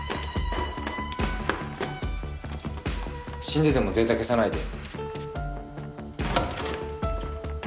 死んでてもデータ消さないで。